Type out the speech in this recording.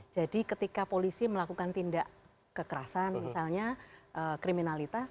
jadi ketika polisi melakukan tindak kekerasan misalnya kriminalitas